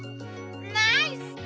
ナイス！